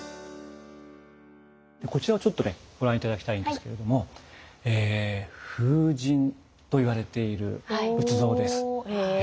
こちらをちょっとねご覧頂きたいんですけれども風神と言われている仏像です。